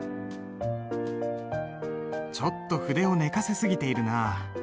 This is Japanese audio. ちょっと筆を寝かせ過ぎているな。